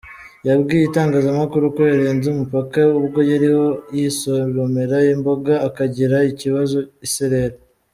Yabwiye itangazamakuru ko yarenze umupaka ubwo yariho yisoromera imboga akagira ikibazo isereri.